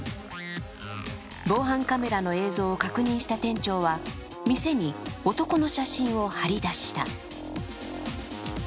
防犯カメラの映像を確認した店長は店に男の写真を貼りだした。